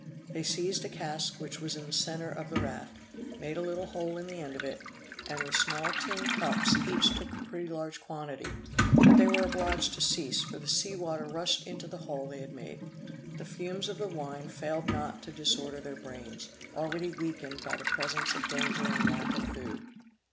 They seized a cask which was in the centre of the raft, made a little hole in the end of it, and, with small tin cups, took each a pretty large quantity; but they were obliged to cease, for the sea water rushed into the hole they had made. The fumes of the wine failed not to disorder their brains, already weakened by the presence of danger and want of food.